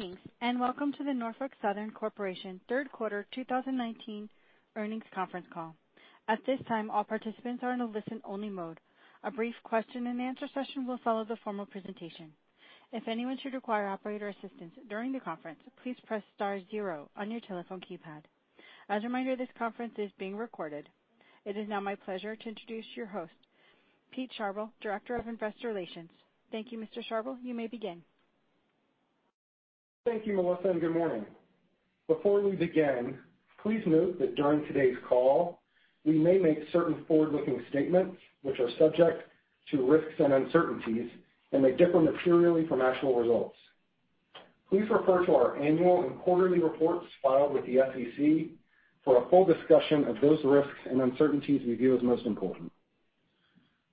Greetings, and welcome to the Norfolk Southern Corporation third quarter 2019 earnings conference call. At this time, all participants are in a listen-only mode. A brief question and answer session will follow the formal presentation. If anyone should require operator assistance during the conference, please press star zero on your telephone keypad. As a reminder, this conference is being recorded. It is now my pleasure to introduce your host, Pete Sharbel, Director of Investor Relations. Thank you, Mr. Sharbel. You may begin. Thank you, Melissa, and good morning. Before we begin, please note that during today's call, we may make certain forward-looking statements, which are subject to risks and uncertainties and may differ materially from actual results. Please refer to our annual and quarterly reports filed with the SEC for a full discussion of those risks and uncertainties we view as most important.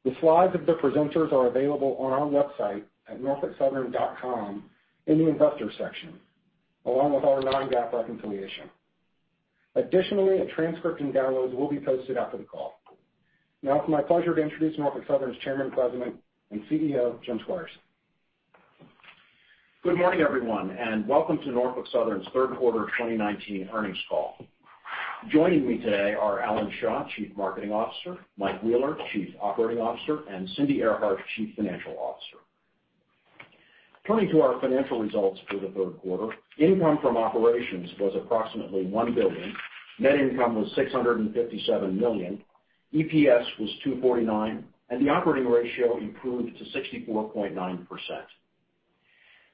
The slides of the presenters are available on our website at norfolksouthern.com in the Investors section, along with our non-GAAP reconciliation. Additionally, a transcript and downloads will be posted after the call. Now it's my pleasure to introduce Norfolk Southern's Chairman, President, and CEO, Jim Squires. Good morning, everyone, and welcome to Norfolk Southern's third quarter of 2019 earnings call. Joining me today are Alan Shaw, Chief Marketing Officer, Mike Wheeler, Chief Operating Officer, and Cindy Earhart, Chief Financial Officer. Turning to our financial results for the third quarter, income from operations was approximately $1 billion, net income was $657 million, EPS was $2.49, and the operating ratio improved to 64.9%.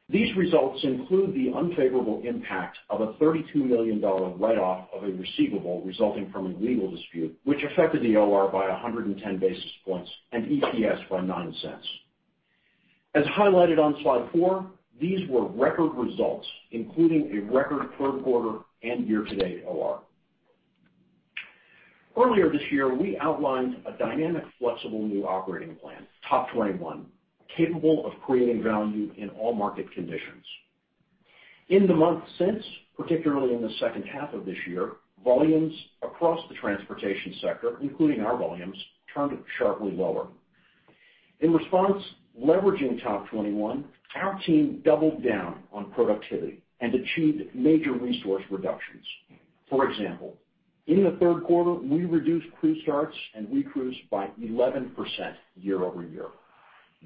These results include the unfavorable impact of a $32 million write-off of a receivable resulting from a legal dispute, which affected the OR by 110 basis points and EPS by $0.09. As highlighted on slide four, these were record results, including a record third quarter and year-to-date OR. Earlier this year, we outlined a dynamic, flexible new operating plan, TOP 21, capable of creating value in all market conditions. In the months since, particularly in the second half of this year, volumes across the transportation sector, including our volumes, turned sharply lower. In response, leveraging TOP 21, our team doubled down on productivity and achieved major resource reductions. For example, in the third quarter, we reduced crew starts and re-crews by 11% year-over-year.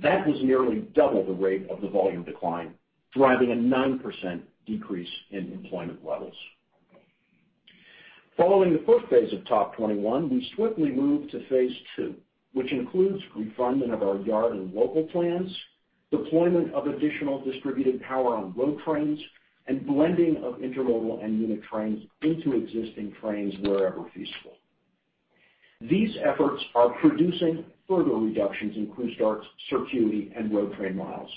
That was nearly double the rate of the volume decline, driving a 9% decrease in employment levels. Following the first phase of TOP 21, we swiftly moved to phase 2, which includes refinement of our yard and local plans, deployment of additional distributed power on road trains, and blending of intermodal and unit trains into existing trains wherever feasible. These efforts are producing further reductions in crew starts, circuity, and road train miles.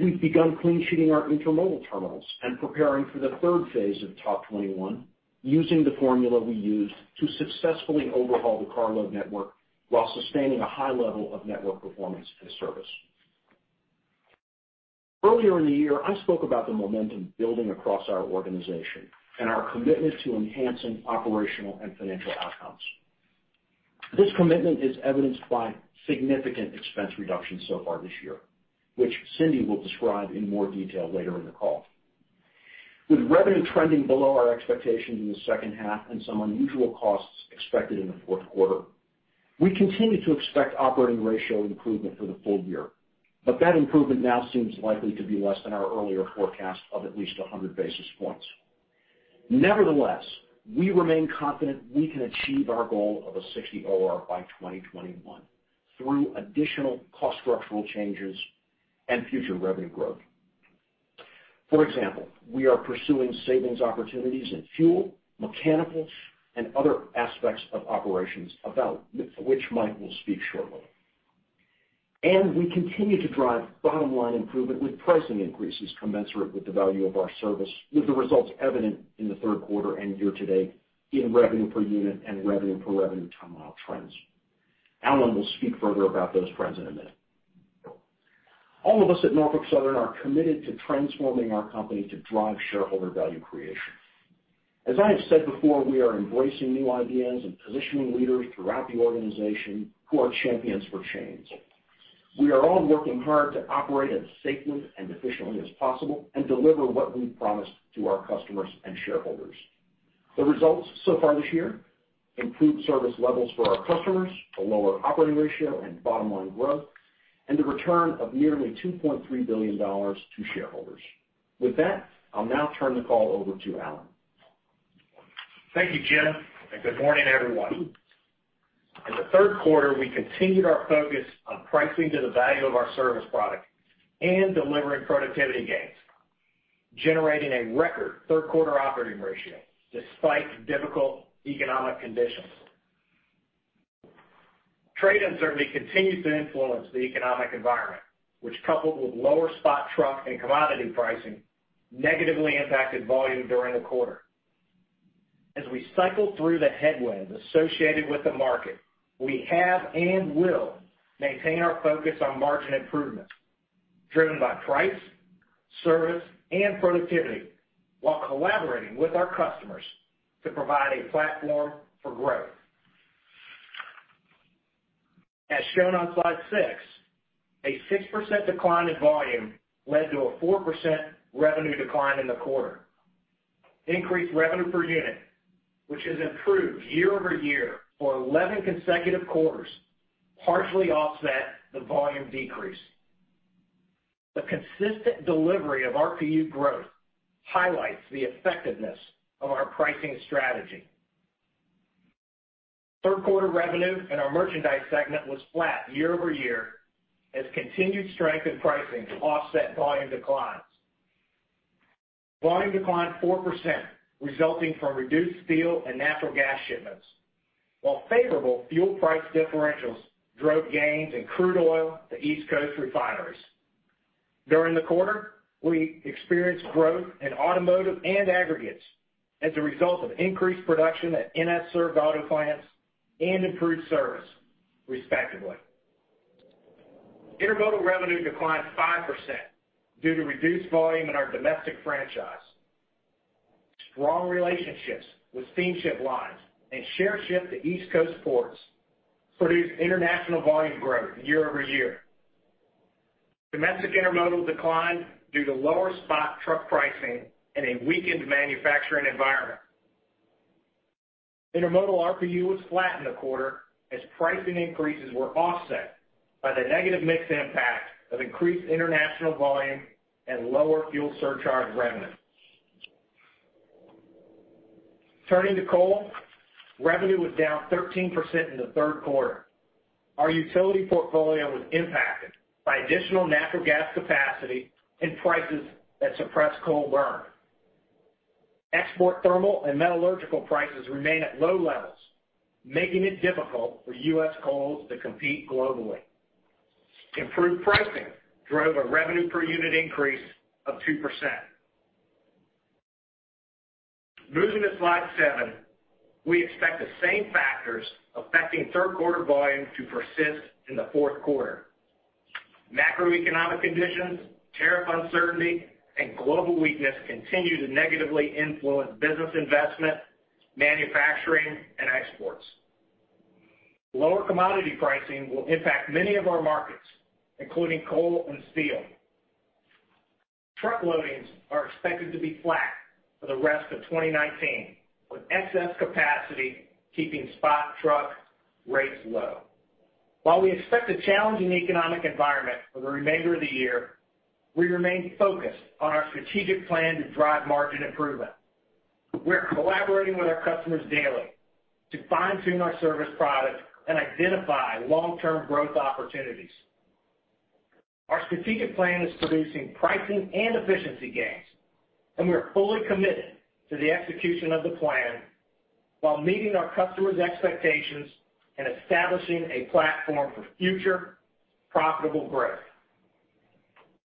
We've begun clean sheeting our intermodal terminals and preparing for the third phase of TOP 21 using the formula we used to successfully overhaul the carload network while sustaining a high level of network performance and service. Earlier in the year, I spoke about the momentum building across our organization and our commitment to enhancing operational and financial outcomes. This commitment is evidenced by significant expense reductions so far this year, which Cindy will describe in more detail later in the call. With revenue trending below our expectations in the second half and some unusual costs expected in the fourth quarter, we continue to expect operating ratio improvement for the full year, but that improvement now seems likely to be less than our earlier forecast of at least 100 basis points. Nevertheless, we remain confident we can achieve our goal of a 60 OR by 2021 through additional cost structural changes and future revenue growth. For example, we are pursuing savings opportunities in fuel, mechanicals, and other aspects of operations about which Mike will speak shortly. We continue to drive bottom-line improvement with pricing increases commensurate with the value of our service with the results evident in the third quarter and year to date in revenue per unit and revenue per ton-mile trends. Alan will speak further about those trends in a minute. All of us at Norfolk Southern are committed to transforming our company to drive shareholder value creation. As I have said before, we are embracing new ideas and positioning leaders throughout the organization who are champions for change. We are all working hard to operate as safely and efficiently as possible and deliver what we've promised to our customers and shareholders. The results so far this year include service levels for our customers, a lower operating ratio and bottom-line growth, and the return of nearly $2.3 billion to shareholders. With that, I'll now turn the call over to Alan. Thank you, Jim, and good morning, everyone. In the third quarter, we continued our focus on pricing to the value of our service product and delivering productivity gains, generating a record third-quarter operating ratio despite difficult economic conditions. Trade uncertainty continues to influence the economic environment, which coupled with lower spot truck and commodity pricing, negatively impacted volume during the quarter. As we cycle through the headwinds associated with the market, we have and will maintain our focus on margin improvement driven by price, service, and productivity while collaborating with our customers to provide a platform for growth. As shown on slide six, a 6% decline in volume led to a 4% revenue decline in the quarter. Increased revenue per unit, which has improved year-over-year for 11 consecutive quarters, partially offset the volume decrease. The consistent delivery of RPU growth highlights the effectiveness of our pricing strategy. Third quarter revenue in our merchandise segment was flat year-over-year as continued strength in pricing offset volume declines. Volume declined 4%, resulting from reduced steel and natural gas shipments, while favorable fuel price differentials drove gains in crude oil to East Coast refiners. During the quarter, we experienced growth in automotive and aggregates as a result of increased production at NS-served auto plants and improved service, respectively. Intermodal revenue declined 5% due to reduced volume in our domestic franchise. Strong relationships with steamship lines and share shift to East Coast ports produced international volume growth year-over-year. Domestic intermodal declined due to lower spot truck pricing and a weakened manufacturing environment. Intermodal RPU was flat in the quarter as pricing increases were offset by the negative mix impact of increased international volume and lower fuel surcharge revenue. Turning to coal, revenue was down 13% in the third quarter. Our utility portfolio was impacted by additional natural gas capacity and prices that suppressed coal burn. Export thermal and metallurgical prices remain at low levels, making it difficult for U.S. coal to compete globally. Improved pricing drove a revenue per unit increase of 2%. Moving to slide seven, we expect the same factors affecting third quarter volume to persist in the fourth quarter. macroeconomic conditions, tariff uncertainty, and global weakness continue to negatively influence business investment, manufacturing, and exports. Lower commodity pricing will impact many of our markets, including coal and steel. Truck loadings are expected to be flat for the rest of 2019, with excess capacity keeping spot truck rates low. While we expect a challenging economic environment for the remainder of the year, we remain focused on our strategic plan to drive margin improvement. We are collaborating with our customers daily to fine-tune our service product and identify long-term growth opportunities. Our strategic plan is producing pricing and efficiency gains, and we are fully committed to the execution of the plan while meeting our customers' expectations and establishing a platform for future profitable growth.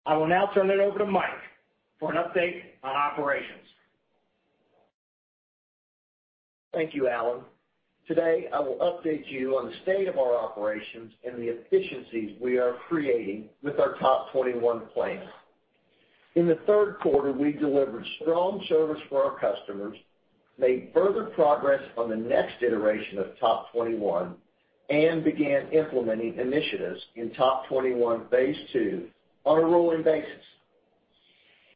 I will now turn it over to Mike for an update on operations. Thank you, Alan. Today, I will update you on the state of our operations and the efficiencies we are creating with our TOP 21 plan. In the third quarter, we delivered strong service for our customers, made further progress on the next iteration of TOP 21, and began implementing initiatives in TOP 21, phase II on a rolling basis.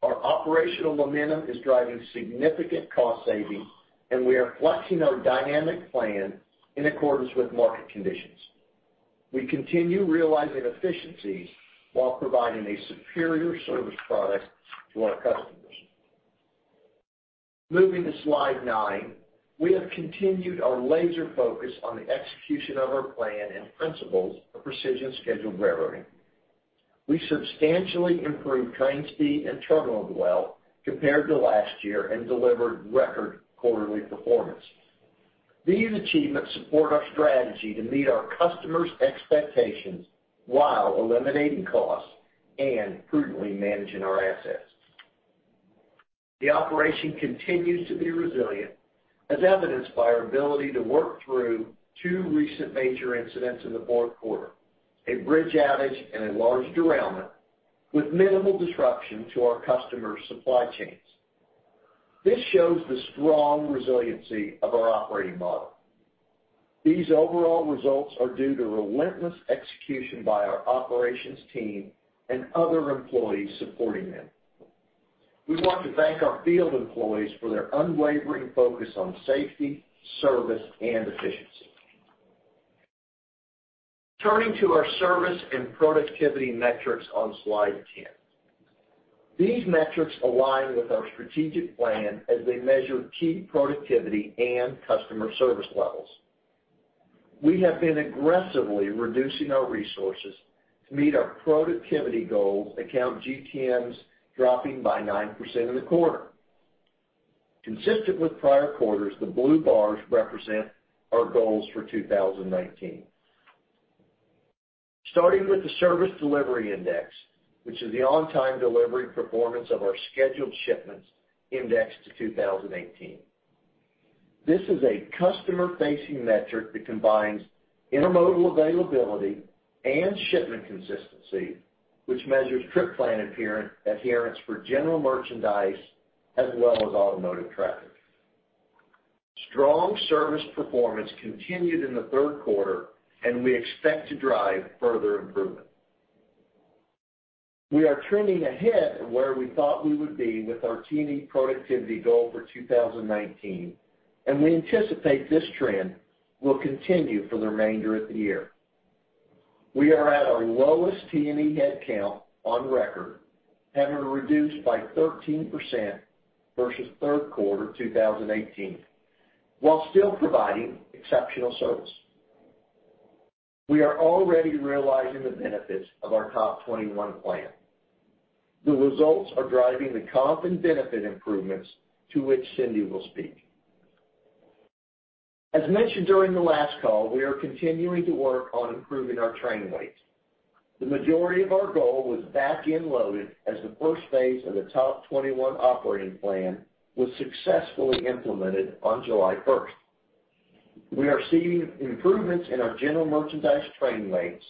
Our operational momentum is driving significant cost savings, and we are flexing our dynamic plan in accordance with market conditions. We continue realizing efficiencies while providing a superior service product to our customers. Moving to slide nine. We have continued our laser focus on the execution of our plan and principles of Precision Scheduled Railroading. We substantially improved train speed and terminal dwell compared to last year and delivered record quarterly performance. These achievements support our strategy to meet our customers' expectations while eliminating costs and prudently managing our assets. The operation continues to be resilient, as evidenced by our ability to work through two recent major incidents in the fourth quarter, a bridge outage and a large derailment, with minimal disruption to our customers' supply chains. This shows the strong resiliency of our operating model. These overall results are due to relentless execution by our operations team and other employees supporting them. We want to thank our field employees for their unwavering focus on safety, service, and efficiency. Turning to our service and productivity metrics on slide 10. These metrics align with our strategic plan as they measure key productivity and customer service levels. We have been aggressively reducing our resources to meet our productivity goals that count GTMs dropping by 9% in the quarter. Consistent with prior quarters, the blue bars represent our goals for 2019. Starting with the service delivery index, which is the on-time delivery performance of our scheduled shipments indexed to 2018. This is a customer-facing metric that combines intermodal availability and shipment consistency, which measures trip plan adherence for general merchandise as well as automotive traffic. Strong service performance continued in the third quarter. We expect to drive further improvement. We are trending ahead of where we thought we would be with our T&E productivity goal for 2019. We anticipate this trend will continue for the remainder of the year. We are at our lowest T&E headcount on record, having reduced by 13% versus third quarter 2018, while still providing exceptional service. We are already realizing the benefits of our TOP 21 plan. The results are driving the comp and benefit improvements to which Cindy will speak. As mentioned during the last call, we are continuing to work on improving our train weights. The majority of our goal was back-end loaded as the first phase of the TOP 21 operating plan was successfully implemented on July 1st. We are seeing improvements in our general merchandise train weights,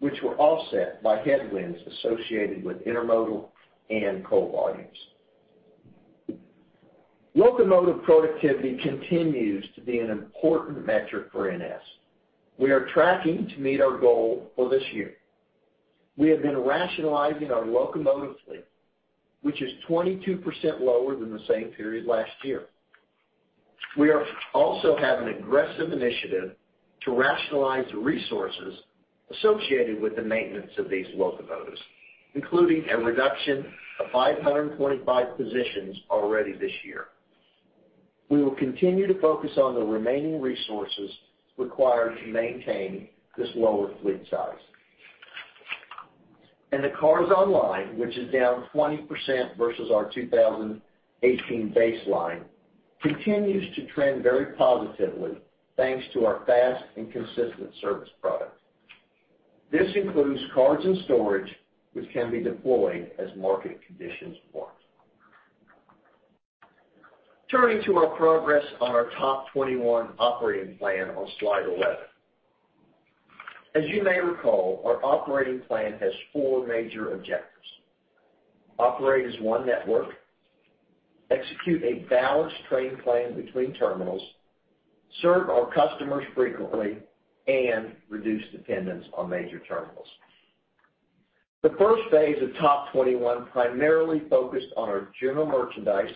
which were offset by headwinds associated with intermodal and coal volumes. Locomotive productivity continues to be an important metric for NS. We are tracking to meet our goal for this year. We have been rationalizing our locomotive fleet, which is 22% lower than the same period last year. We also have an aggressive initiative to rationalize the resources associated with the maintenance of these locomotives, including a reduction of 525 positions already this year. We will continue to focus on the remaining resources required to maintain this lower fleet size. The cars online, which is down 20% versus our 2018 baseline, continues to trend very positively thanks to our fast and consistent service product. This includes cars in storage, which can be deployed as market conditions warrant. Turning to our progress on our TOP 21 operating plan on slide 11. As you may recall, our operating plan has four major objectives. Operate as one network, execute a balanced train plan between terminals, serve our customers frequently, and reduce dependence on major terminals. The first phase of TOP 21 primarily focused on our general merchandise,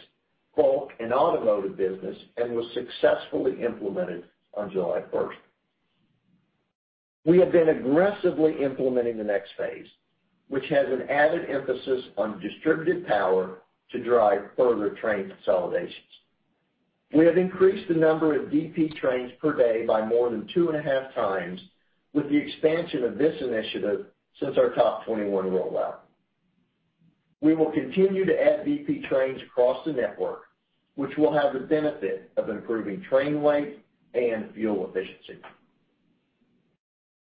bulk, and automotive business, and was successfully implemented on July 1st. We have been aggressively implementing the next phase, which has an added emphasis on distributed power to drive further train consolidations. We have increased the number of DP trains per day by more than two and a half times with the expansion of this initiative since our TOP 21 rollout. We will continue to add DP trains across the network, which will have the benefit of improving train weight and fuel efficiency.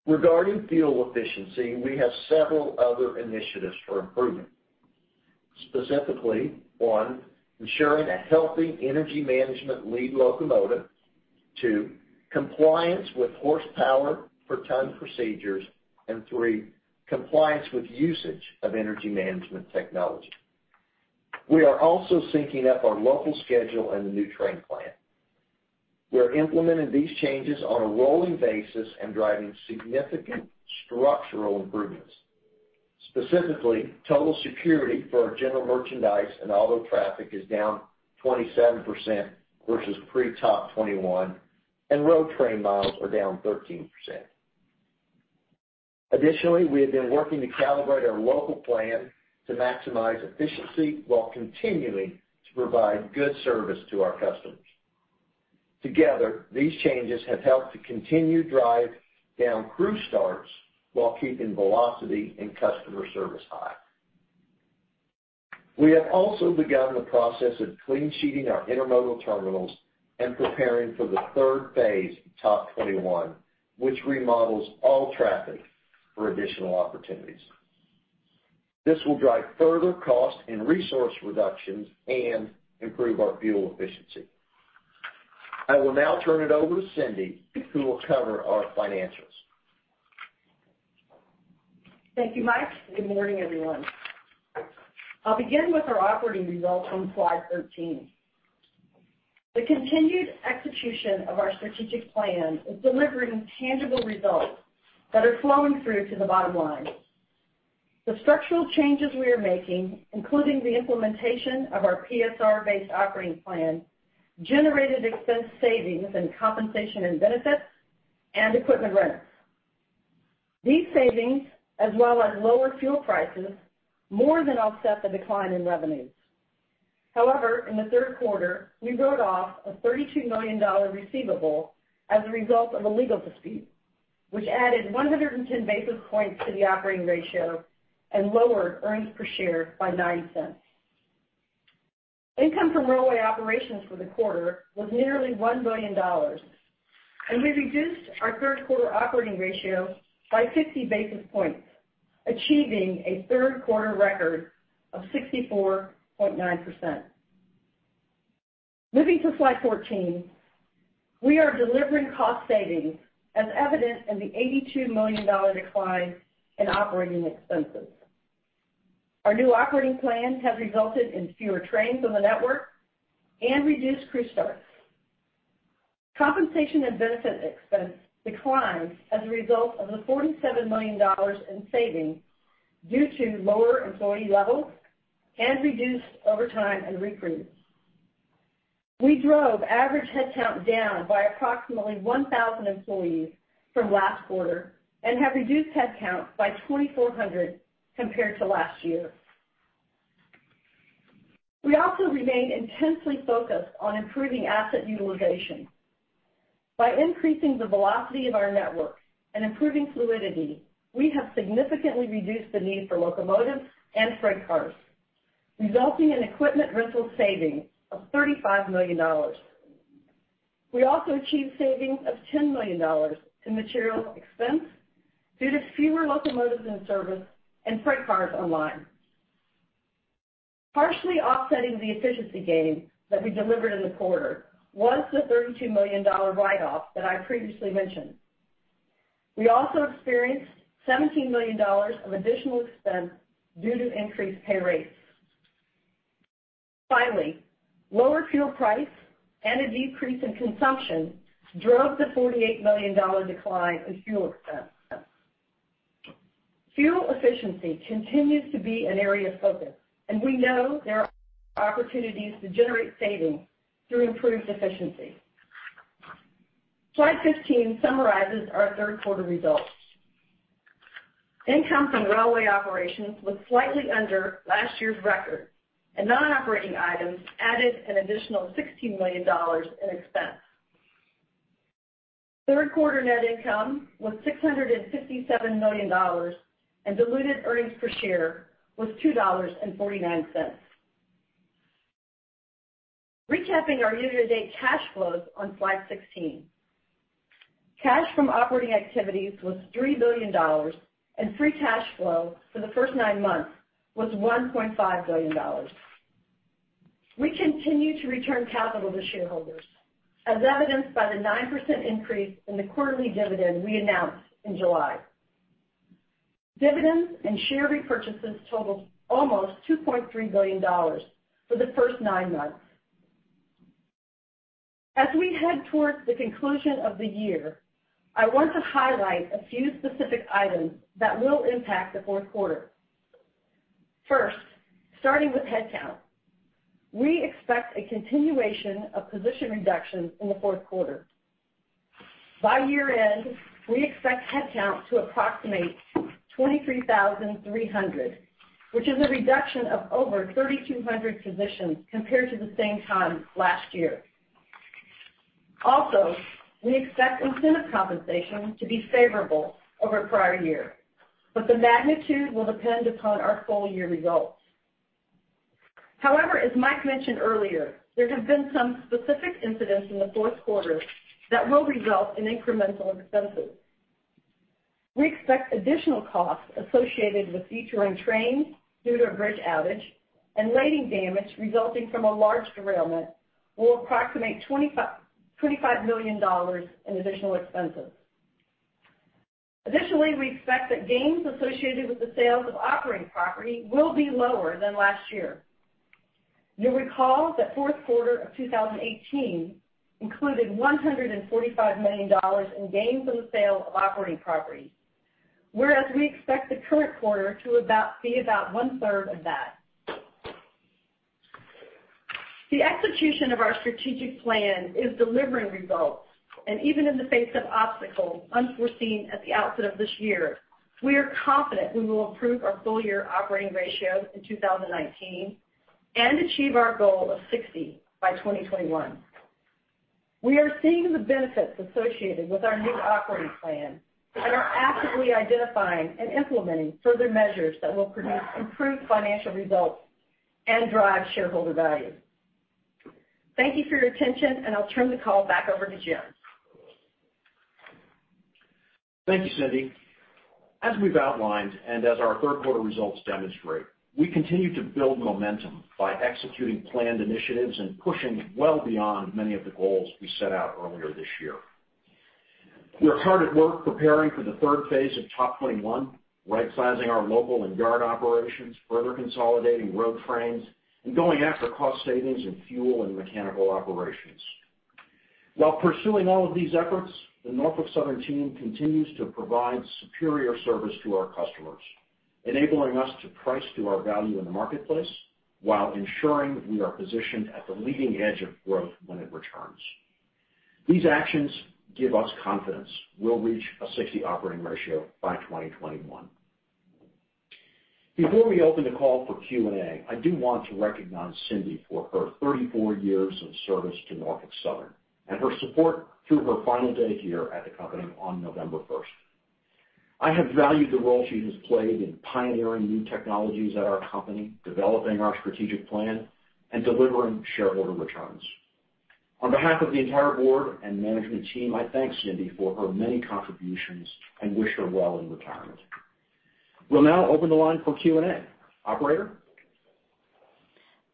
Regarding fuel efficiency, we have several other initiatives for improvement. Specifically, one, ensuring a healthy energy management lead locomotive. Two, compliance with horsepower per ton procedures. Three, compliance with usage of energy management technology. We are also syncing up our local schedule and the new train plan. We are implementing these changes on a rolling basis and driving significant structural improvements. Specifically, total circuity for our general merchandise and auto traffic is down 27% versus pre TOP 21, and road train miles are down 13%. Additionally, we have been working to calibrate our local plan to maximize efficiency while continuing to provide good service to our customers. Together, these changes have helped to continue drive down crew starts while keeping velocity and customer service high. We have also begun the process of clean sheeting our intermodal terminals and preparing for the third phase of TOP 21, which remodels all traffic for additional opportunities. This will drive further cost and resource reductions and improve our fuel efficiency. I will now turn it over to Cindy, who will cover our financials. Thank you, Mike. Good morning, everyone. I'll begin with our operating results on slide 13. The continued execution of our strategic plan is delivering tangible results that are flowing through to the bottom line. The structural changes we are making, including the implementation of our PSR-based operating plan, generated expense savings in compensation and benefits and equipment rents. These savings, as well as lower fuel prices, more than offset the decline in revenues. However, in the third quarter, we wrote off a $32 million receivable as a result of a legal dispute, which added 110 basis points to the operating ratio and lowered earnings per share by $0.09. Income from railway operations for the quarter was nearly $1 billion. We reduced our third quarter operating ratio by 50 basis points, achieving a third quarter record of 64.9%. Moving to slide 14. We are delivering cost savings as evident in the $82 million decline in operating expenses. Our new operating plan has resulted in fewer trains on the network and reduced crew starts. Compensation and benefit expense declined as a result of the $47 million in savings due to lower employee levels and reduced overtime and re-crew. We drove average headcount down by approximately 1,000 employees from last quarter and have reduced headcount by 2,400 compared to last year. We also remain intensely focused on improving asset utilization. By increasing the velocity of our network and improving fluidity, we have significantly reduced the need for locomotives and freight cars, resulting in equipment rental savings of $35 million. We also achieved savings of $10 million in material expense due to fewer locomotives in service and freight cars online. Partially offsetting the efficiency gains that we delivered in the quarter was the $32 million write-off that I previously mentioned. We also experienced $17 million of additional expense due to increased pay rates. Lower fuel price and a decrease in consumption drove the $48 million decline in fuel expense. Fuel efficiency continues to be an area of focus, and we know there are opportunities to generate savings through improved efficiency. Slide 15 summarizes our third quarter results. Income from railway operations was slightly under last year's record, and non-operating items added an additional $16 million in expense. Third quarter net income was $657 million, and diluted earnings per share was $2.49. Recapping our year-to-date cash flows on slide 16. Cash from operating activities was $3 billion, and free cash flow for the first nine months was $1.5 billion. We continue to return capital to shareholders, as evidenced by the 9% increase in the quarterly dividend we announced in July. Dividends and share repurchases totaled almost $2.3 billion for the first nine months. As we head towards the conclusion of the year, I want to highlight a few specific items that will impact the fourth quarter. First, starting with headcount, we expect a continuation of position reductions in the fourth quarter. By year-end, we expect headcount to approximate 23,300, which is a reduction of over 3,200 positions compared to the same time last year. We expect incentive compensation to be favorable over prior year, but the magnitude will depend upon our full-year results. As Mike mentioned earlier, there have been some specific incidents in the fourth quarter that will result in incremental expenses. We expect additional costs associated with detouring trains due to a bridge outage and lading damage resulting from a large derailment will approximate $25 million in additional expenses. Additionally, we expect that gains associated with the sales of operating property will be lower than last year. You'll recall that fourth quarter of 2018 included $145 million in gains on the sale of operating properties, whereas we expect the current quarter to be about one-third of that. The execution of our strategic plan is delivering results, and even in the face of obstacles unforeseen at the outset of this year, we are confident we will improve our full-year operating ratio in 2019 and achieve our goal of 60 by 2021. We are seeing the benefits associated with our new operating plan and are actively identifying and implementing further measures that will produce improved financial results and drive shareholder value. Thank you for your attention, I'll turn the call back over to Jim. Thank you, Cindy. As we've outlined, and as our third quarter results demonstrate, we continue to build momentum by executing planned initiatives and pushing well beyond many of the goals we set out earlier this year. We are hard at work preparing for the third phase of TOP 21, rightsizing our mobile and yard operations, further consolidating road trains, and going after cost savings in fuel and mechanical operations. While pursuing all of these efforts, the Norfolk Southern team continues to provide superior service to our customers, enabling us to price to our value in the marketplace while ensuring that we are positioned at the leading edge of growth when it returns. These actions give us confidence we'll reach a 60 OR by 2021. Before we open the call for Q&A, I do want to recognize Cindy for her 34 years of service to Norfolk Southern and her support through her final day here at the company on November 1st. I have valued the role she has played in pioneering new technologies at our company, developing our strategic plan, and delivering shareholder returns. On behalf of the entire board and management team, I thank Cindy for her many contributions and wish her well in retirement. We'll now open the line for Q&A. Operator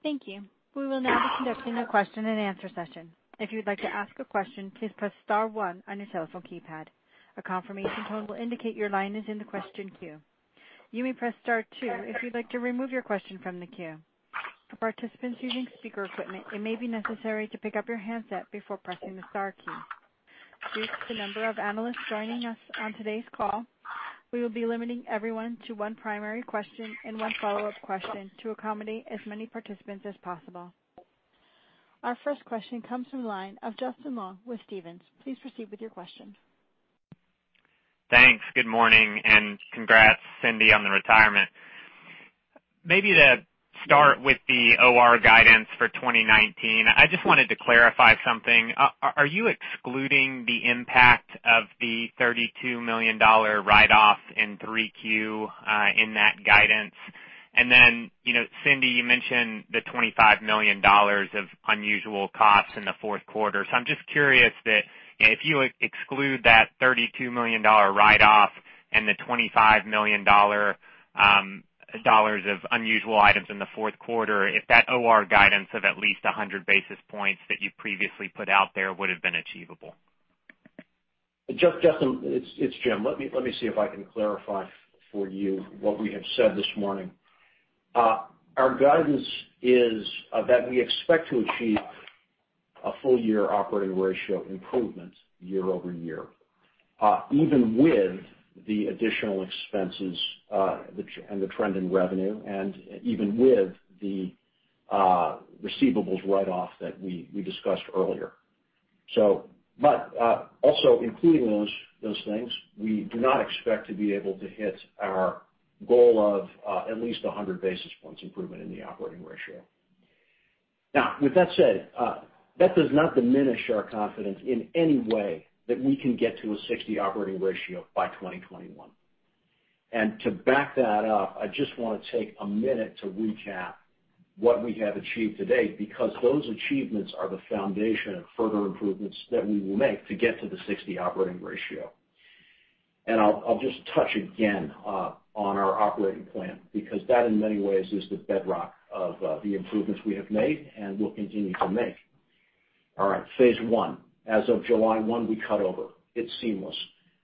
Thank you. We will now be conducting a question and answer session. If you would like to ask a question, please press star one on your telephone keypad. A confirmation tone will indicate your line is in the question queue. You may press star two if you'd like to remove your question from the queue. For participants using speaker equipment, it may be necessary to pick up your handset before pressing the star key. Due to the number of analysts joining us on today's call, we will be limiting everyone to one primary question and one follow-up question to accommodate as many participants as possible. Our first question comes from the line of Justin Long with Stephens. Please proceed with your question. Thanks. Good morning, and congrats, Cindy, on the retirement. Maybe to start with the OR guidance for 2019, I just wanted to clarify something. Are you excluding the impact of the $32 million write-off in 3Q in that guidance? Then, Cindy, you mentioned the $25 million of unusual costs in the fourth quarter. I'm just curious that if you exclude that $32 million write-off and the $25 million of unusual items in the fourth quarter, if that OR guidance of at least 100 basis points that you previously put out there would've been achievable. Justin, it's Jim. Let me see if I can clarify for you what we have said this morning. Our guidance is that we expect to achieve a full-year operating ratio improvement year-over-year, even with the additional expenses, and the trend in revenue, and even with the receivables write-off that we discussed earlier. Also including those things, we do not expect to be able to hit our goal of at least 100 basis points improvement in the operating ratio. Now, with that said, that does not diminish our confidence in any way that we can get to a 60 operating ratio by 2021. To back that up, I just want to take a minute to recap what we have achieved to date, because those achievements are the foundation of further improvements that we will make to get to the 60 operating ratio. I'll just touch again on our operating plan, because that, in many ways, is the bedrock of the improvements we have made and will continue to make. All right. Phase 1. As of July 1, we cut over. It's seamless.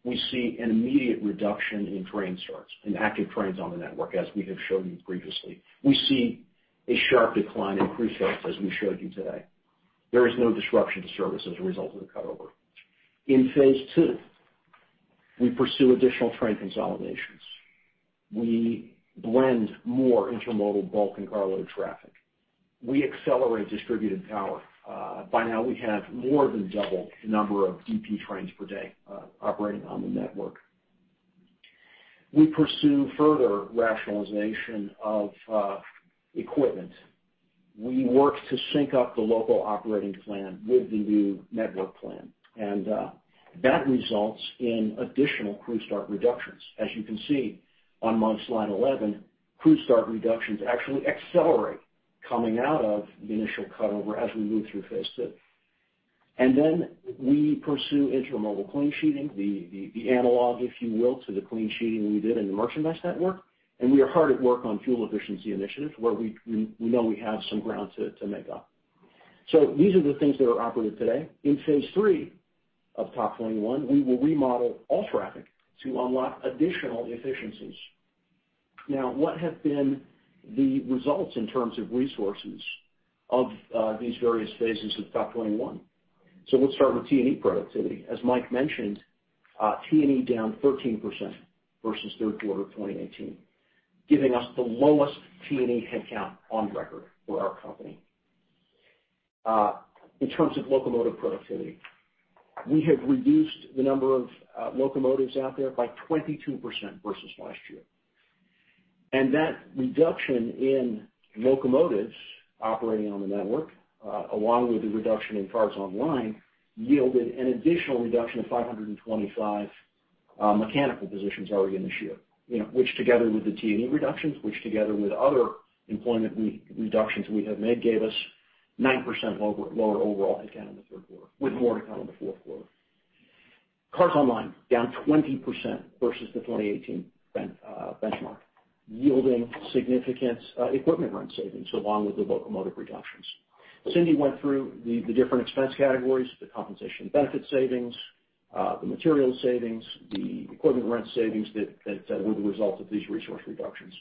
We see an immediate reduction in train starts and active trains on the network, as we have shown you previously. We see a sharp decline in crew starts, as we showed you today. There is no disruption to service as a result of the cutover. In phase 2, we pursue additional train consolidations. We blend more intermodal bulk and cargo traffic. We accelerate distributed power. By now, we have more than double the number of DP trains per day operating on the network. We pursue further rationalization of equipment. We work to sync up the local operating plan with the new network plan, and that results in additional crew start reductions. As you can see on Mike's slide 11, crew start reductions actually accelerate coming out of the initial cutover as we move through phase 2. We pursue intermodal clean sheeting, the analog, if you will, to the clean sheeting we did in the merchandise network, and we are hard at work on fuel efficiency initiatives where we know we have some ground to make up. These are the things that are operative today. In phase 3 of TOP 21, we will remodel all traffic to unlock additional efficiencies. What have been the results in terms of resources of these various phases of TOP 21? Let's start with T&E productivity. As Mike mentioned, T&E down 13% versus third quarter of 2018, giving us the lowest T&E headcount on record for our company. In terms of locomotive productivity, we have reduced the number of locomotives out there by 22% versus last year. That reduction in locomotives operating on the network, along with the reduction in cars online, yielded an additional reduction of 525 mechanical positions already in this year, which together with the T&E reductions, which together with other employment reductions we have made, gave us 9% lower overall headcount in the third quarter, with more headcount in the fourth quarter. Cars online, down 20% versus the 2018 benchmark, yielding significant equipment rent savings along with the locomotive reductions. Cindy went through the different expense categories, the compensation benefit savings, the material savings, the equipment rent savings that were the result of these resource reductions.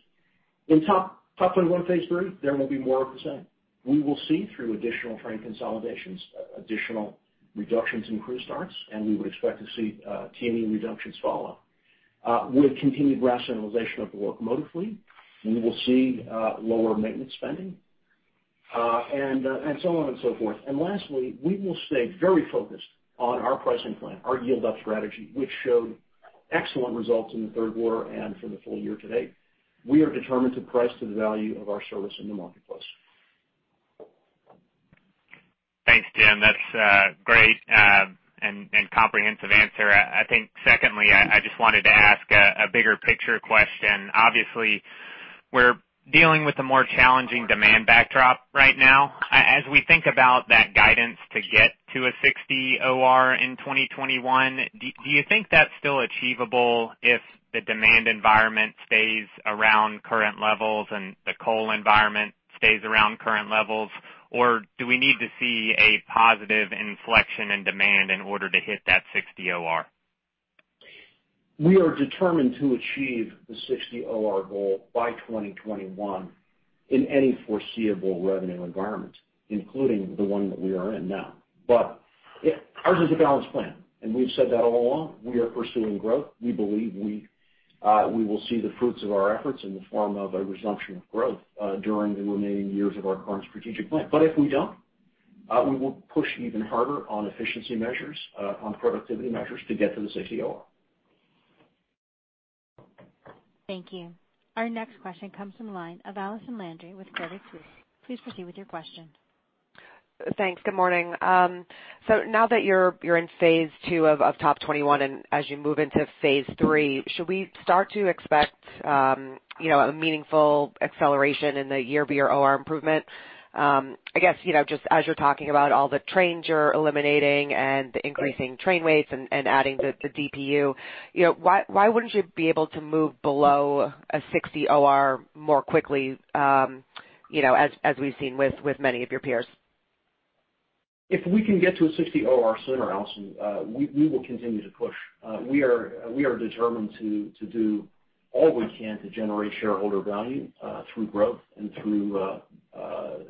In TOP 21 phase three, there will be more of the same. We will see through additional train consolidations, additional reductions in crew starts, and we would expect to see T&E reductions follow. With continued rationalization of the locomotive fleet, we will see lower maintenance spending, and so on and so forth. Lastly, we will stay very focused on our pricing plan, our yield-up strategy, which showed excellent results in the third quarter and for the full year to date. We are determined to price to the value of our service in the marketplace. Thanks, Jim. That's great and comprehensive answer. I think secondly, I just wanted to ask a bigger picture question. Obviously, we're dealing with a more challenging demand backdrop right now. As we think about that guidance to get to a 60 OR in 2021, do you think that's still achievable if the demand environment stays around current levels and the coal environment stays around current levels, or do we need to see a positive inflection in demand in order to hit that 60 OR? We are determined to achieve the 60 OR goal by 2021 in any foreseeable revenue environment, including the one that we are in now. Ours is a balanced plan, and we've said that all along. We are pursuing growth. We believe we will see the fruits of our efforts in the form of a resumption of growth during the remaining years of our current strategic plan. If we don't, we will push even harder on efficiency measures, on productivity measures to get to the 60 OR. Thank you. Our next question comes from the line of Allison Landry with Credit Suisse. Please proceed with your question. Thanks. Good morning. Now that you're in phase II of TOP 21, and as you move into phase III, should we start to expect a meaningful acceleration in the year-over-year OR improvement? I guess, just as you're talking about all the trains you're eliminating and the increasing train weights and adding the DPU, why wouldn't you be able to move below a 60 OR more quickly as we've seen with many of your peers? If we can get to a 60 OR sooner, Allison, we will continue to push. We are determined to do all we can to generate shareholder value through growth and through a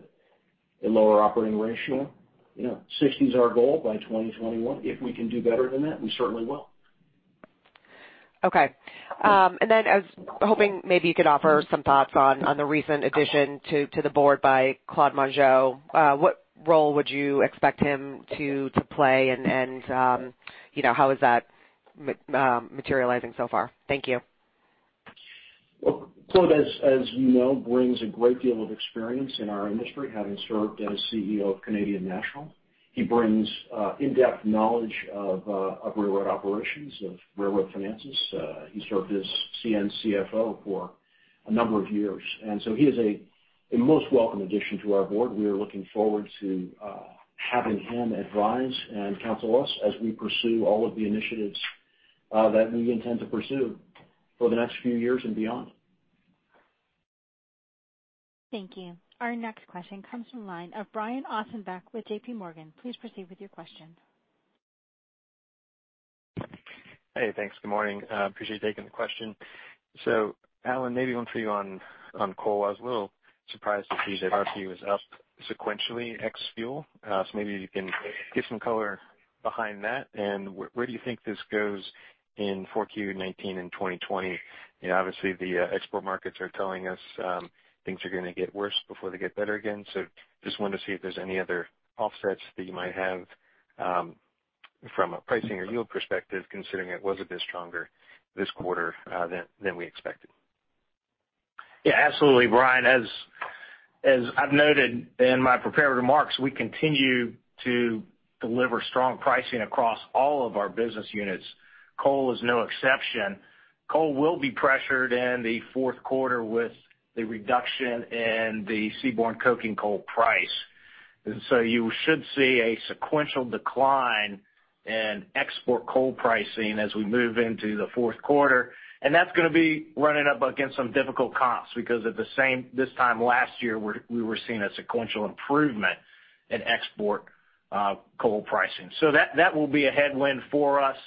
lower operating ratio. 60 is our goal by 2021. If we can do better than that, we certainly will. Okay. I was hoping maybe you could offer some thoughts on the recent addition to the board by Claude Mongeau. What role would you expect him to play, and how is that materializing so far? Thank you. Well, Claude, as you know, brings a great deal of experience in our industry, having served as CEO of Canadian National. He brings in-depth knowledge of railroad operations, of railroad finances. He served as CN CFO for a number of years, and so he is a most welcome addition to our board. We are looking forward to having him advise and counsel us as we pursue all of the initiatives that we intend to pursue for the next few years and beyond. Thank you. Our next question comes from the line of Brian Ossenbeck with J.P. Morgan. Please proceed with your question. Hey, thanks. Good morning. Appreciate you taking the question. Alan, maybe one for you on coal. I was a little surprised to see that RPU was up sequentially ex fuel. Maybe you can give some color behind that, and where do you think this goes in 4Q 2019 and 2020? Obviously, the export markets are telling us things are going to get worse before they get better again. Just wanted to see if there's any other offsets that you might have from a pricing or yield perspective, considering it was a bit stronger this quarter than we expected. Yeah, absolutely, Brian. As I've noted in my prepared remarks, we continue to deliver strong pricing across all of our business units. Coal is no exception. Coal will be pressured in the fourth quarter with the reduction in the seaborne coking coal price. You should see a sequential decline in export coal pricing as we move into the fourth quarter. That's going to be running up against some difficult comps because at the same time last year, we were seeing a sequential improvement in export coal pricing. That will be a headwind for us.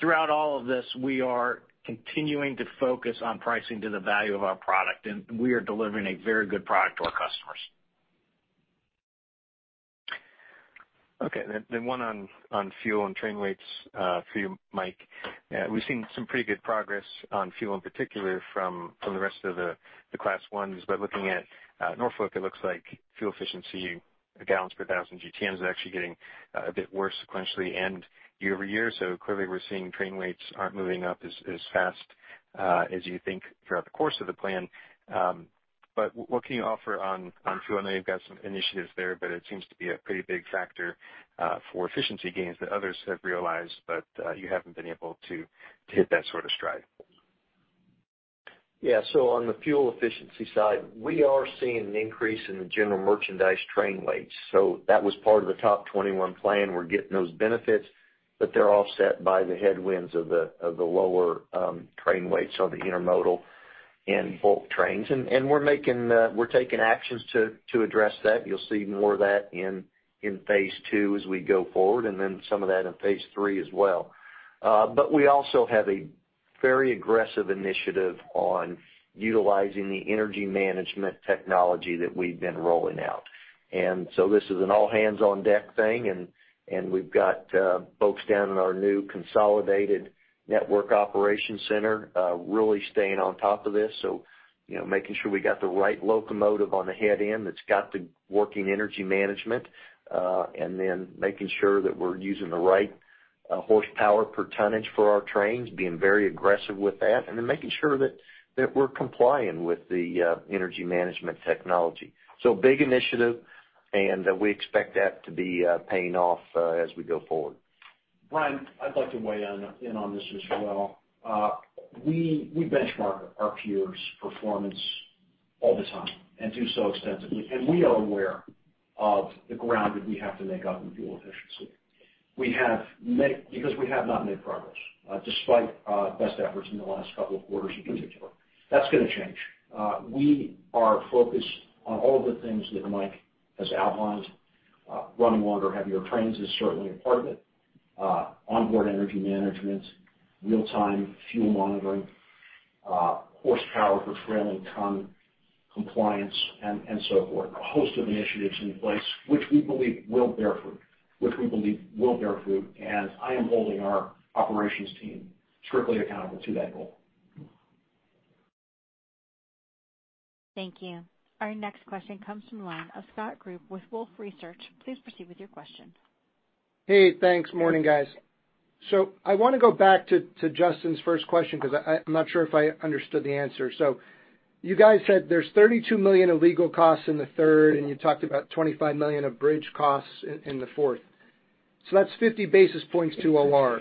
Throughout all of this, we are continuing to focus on pricing to the value of our product, and we are delivering a very good product to our customers. Okay. One on fuel and train weights for you, Mike. We've seen some pretty good progress on fuel, in particular from the rest of the Class I. Looking at Norfolk, it looks like fuel efficiency, gallons per 1,000 GTMs, is actually getting a bit worse sequentially and year-over-year. Clearly we're seeing train weights aren't moving up as fast as you think throughout the course of the plan. What can you offer on fuel? I know you've got some initiatives there, but it seems to be a pretty big factor for efficiency gains that others have realized, but you haven't been able to hit that sort of stride. Yeah. On the fuel efficiency side, we are seeing an increase in the general merchandise train weights. That was part of the TOP 21 plan. We're getting those benefits, but they're offset by the headwinds of the lower train weights on the intermodal and bulk trains. We're taking actions to address that. You'll see more of that in phase two as we go forward, some of that in phase three as well. We also have a very aggressive initiative on utilizing the energy management technology that we've been rolling out. This is an all-hands-on-deck thing, and we've got folks down in our new consolidated network operation center really staying on top of this. Making sure we got the right locomotive on the head end that's got the working energy management, and then making sure that we're using the right horsepower per ton for our trains, being very aggressive with that, and then making sure that we're complying with the energy management technology. Big initiative, and we expect that to be paying off as we go forward. Brian, I'd like to weigh in on this as well. We benchmark our peers' performance all the time and do so extensively. We are aware of the ground that we have to make up in fuel efficiency. Because we have not made progress, despite best efforts in the last couple of quarters in particular. That's going to change. We are focused on all the things that Mike has outlined. Running longer, heavier trains is certainly a part of it. Onboard energy management, real-time fuel monitoring, horsepower per trailing ton, compliance, and so forth. A host of initiatives in place, which we believe will bear fruit, and I am holding our operations team strictly accountable to that goal. Thank you. Our next question comes from the line of Scott Group with Wolfe Research. Please proceed with your question. Hey, thanks. Morning, guys. I want to go back to Justin's first question because I'm not sure if I understood the answer. You guys said there's $32 million of legal costs in the third, and you talked about $25 million of bridge costs in the fourth. That's 50 basis points to OR.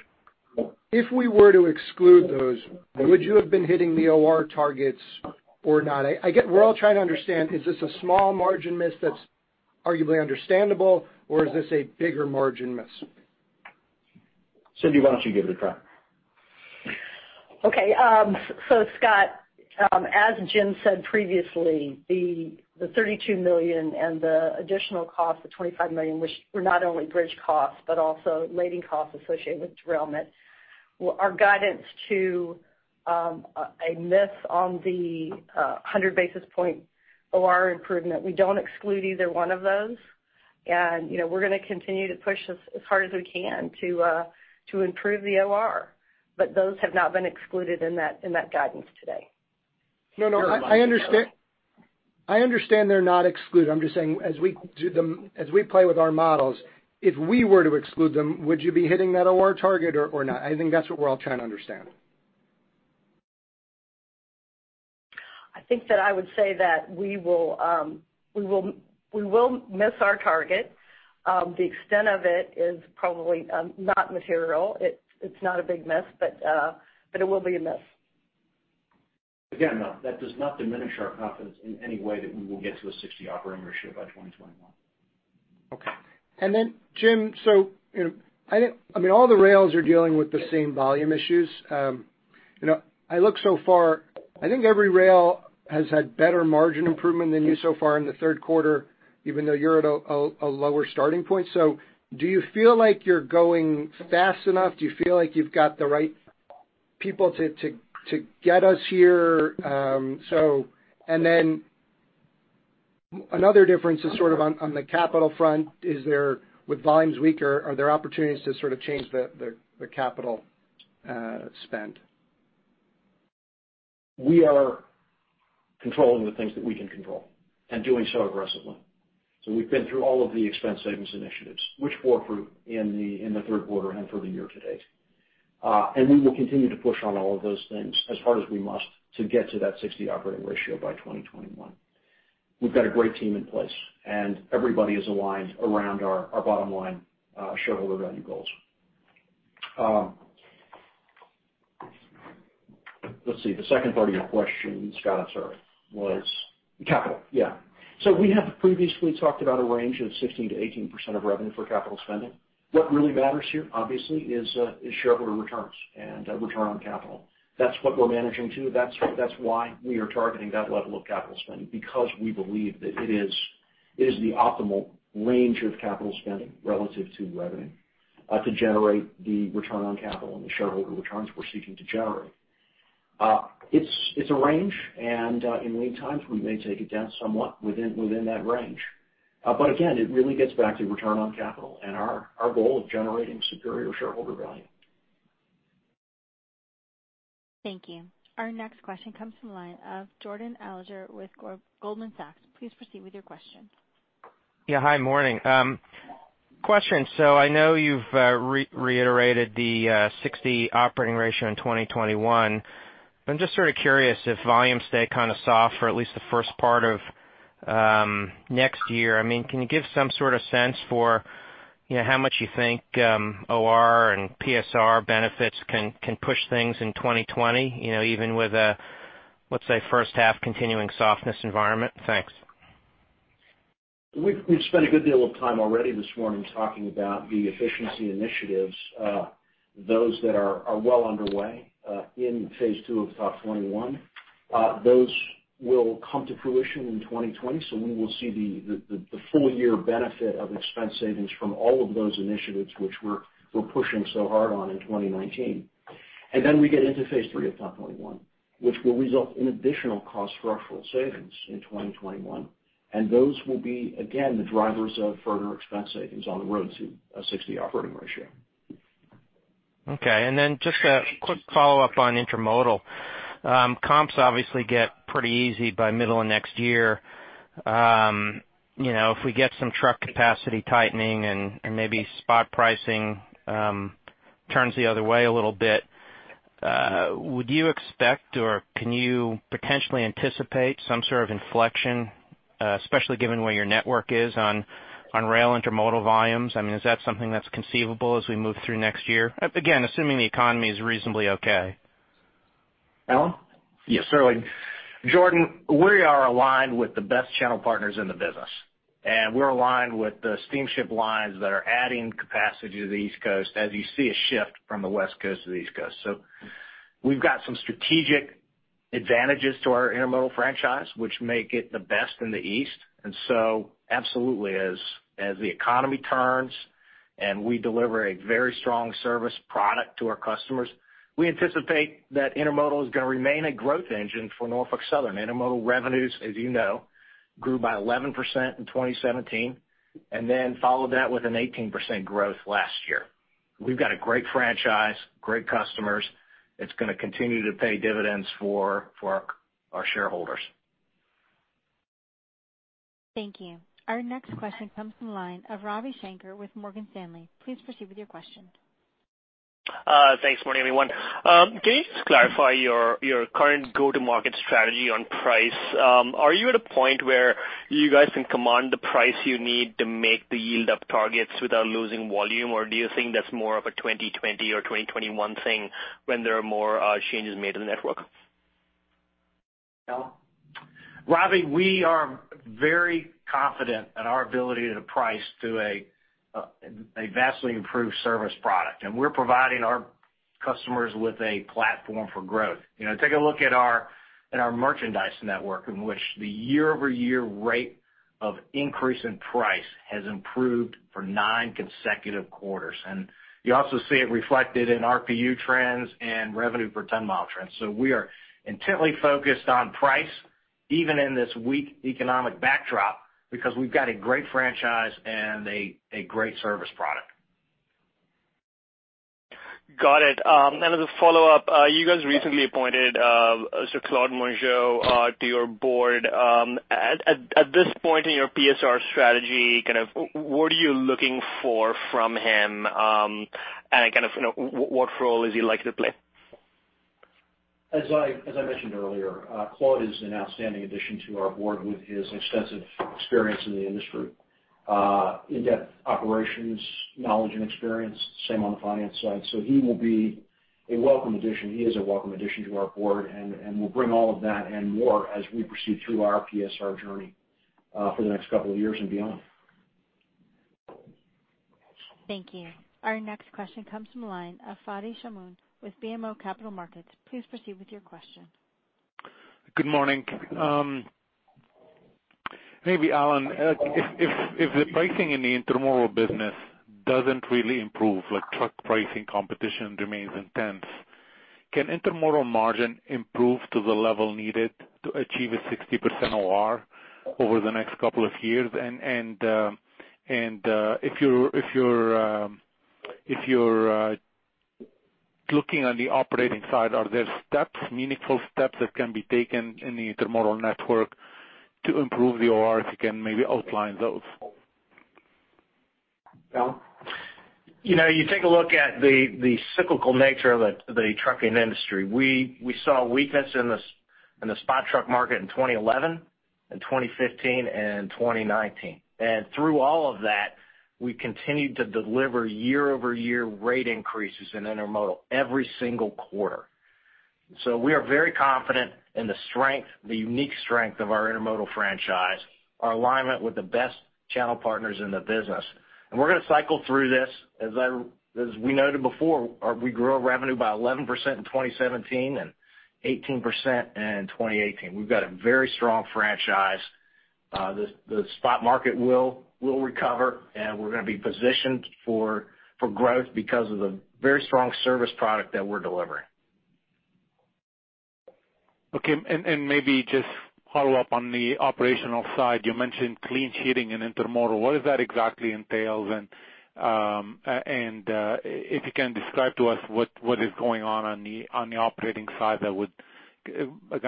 If we were to exclude those, would you have been hitting the OR targets or not? We're all trying to understand, is this a small margin miss that's arguably understandable, or is this a bigger margin miss? Cindy, why don't you give it a try? Scott, as Jim said previously, the $32 million and the additional cost of $25 million, which were not only bridge costs, but also lading costs associated with derailment, our guidance to a miss on the 100 basis point OR improvement, we don't exclude either one of those. We're going to continue to push as hard as we can to improve the OR. Those have not been excluded in that guidance today. No, I understand they're not excluded. I'm just saying, as we play with our models, if we were to exclude them, would you be hitting that OR target or not? I think that's what we're all trying to understand. I think that I would say that we will miss our target. The extent of it is probably not material. It's not a big miss, but it will be a miss. Though, that does not diminish our confidence in any way that we will get to a 60 operating ratio by 2021. Okay. Jim, all the rails are dealing with the same volume issues. I look so far, I think every rail has had better margin improvement than you so far in the third quarter, even though you're at a lower starting point. Do you feel like you're going fast enough? Do you feel like you've got the right people to get us here? Another difference is sort of on the capital front, with volumes weaker, are there opportunities to sort of change the capital spend? We are controlling the things that we can control and doing so aggressively. We've been through all of the expense savings initiatives, which bore fruit in the third quarter and for the year to date. We will continue to push on all of those things as hard as we must to get to that 60 operating ratio by 2021. We've got a great team in place, and everybody is aligned around our bottom-line shareholder value goals. Let's see, the second part of your question, Scott, I'm sorry, was capital. Yeah. We have previously talked about a range of 16%-18% of revenue for capital spending. What really matters here, obviously, is shareholder returns and return on capital. That's what we're managing to. That's why we are targeting that level of capital spending, because we believe that it is the optimal range of capital spending relative to revenue to generate the return on capital and the shareholder returns we're seeking to generate. It's a range, and in lean times, we may take it down somewhat within that range. Again, it really gets back to return on capital and our goal of generating superior shareholder value. Thank you. Our next question comes from the line of Jordan Alliger with Goldman Sachs. Please proceed with your question. Yeah. Hi, morning. Question, I know you've reiterated the 60 operating ratio in 2021. I'm just sort of curious if volumes stay kind of soft for at least the first part of next year, can you give some sort of sense for how much you think OR and PSR benefits can push things in 2020, even with a, let's say, first half continuing softness environment? Thanks. We've spent a good deal of time already this morning talking about the efficiency initiatives, those that are well underway in phase 2 of TOP 21. Those will come to fruition in 2020, so we will see the full year benefit of expense savings from all of those initiatives which we're pushing so hard on in 2019. We get into phase 3 of TOP 21, which will result in additional cost structural savings in 2021. Those will be, again, the drivers of further expense savings on the road to a 60 operating ratio. Okay. Just a quick follow-up on intermodal. Comps obviously get pretty easy by middle of next year. If we get some truck capacity tightening and maybe spot pricing turns the other way a little bit, would you expect or can you potentially anticipate some sort of inflection, especially given where your network is on rail intermodal volumes. Is that something that's conceivable as we move through next year? Again, assuming the economy is reasonably okay. Alan? Yes, certainly. Jordan, we are aligned with the best channel partners in the business, and we're aligned with the steamship lines that are adding capacity to the East Coast as you see a shift from the West Coast to the East Coast. We've got some strategic advantages to our intermodal franchise, which make it the best in the East. Absolutely, as the economy turns and we deliver a very strong service product to our customers, we anticipate that intermodal is going to remain a growth engine for Norfolk Southern. Intermodal revenues, as you know, grew by 11% in 2017, and then followed that with an 18% growth last year. We've got a great franchise, great customers. It's going to continue to pay dividends for our shareholders. Thank you. Our next question comes from the line of Ravi Shanker with Morgan Stanley. Please proceed with your question. Thanks. Morning, everyone. Can you just clarify your current go-to-market strategy on price? Are you at a point where you guys can command the price you need to make the yield up targets without losing volume, or do you think that's more of a 2020 or 2021 thing when there are more changes made in the network? Alan? Ravi, we are very confident in our ability to price to a vastly improved service product, and we're providing our customers with a platform for growth. Take a look at our merchandise network, in which the year-over-year rate of increase in price has improved for nine consecutive quarters. You also see it reflected in RPU trends and revenue per ton-mile trends. We are intently focused on price, even in this weak economic backdrop, because we've got a great franchise and a great service product. Got it. As a follow-up, you guys recently appointed Claude Mongeau to your board. At this point in your PSR strategy, what are you looking for from him? What role is he likely to play? As I mentioned earlier, Claude is an outstanding addition to our board with his extensive experience in the industry, in-depth operations knowledge and experience, same on the finance side. He will be a welcome addition. He is a welcome addition to our board, and will bring all of that and more as we proceed through our PSR journey for the next couple of years and beyond. Thank you. Our next question comes from the line of Fadi Chamoun with BMO Capital Markets. Please proceed with your question. Good morning. Maybe Alan, if the pricing in the intermodal business doesn't really improve, like truck pricing competition remains intense, can intermodal margin improve to the level needed to achieve a 60% OR over the next couple of years? If you're looking on the operating side, are there steps, meaningful steps, that can be taken in the intermodal network to improve the ORs? If you can maybe outline those. Alan? You take a look at the cyclical nature of the trucking industry. We saw weakness in the spot truck market in 2011 and 2015 and 2019. Through all of that, we continued to deliver year-over-year rate increases in intermodal every single quarter. We are very confident in the strength, the unique strength of our intermodal franchise, our alignment with the best channel partners in the business. We're going to cycle through this. As we noted before, we grew our revenue by 11% in 2017 and 18% in 2018. We've got a very strong franchise. The spot market will recover, and we're going to be positioned for growth because of the very strong service product that we're delivering. Okay, maybe just follow up on the operational side. You mentioned clean sheeting in intermodal. What does that exactly entail? If you can describe to us what is going on the operating side that would